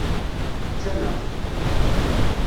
Ččan-aɣ-t.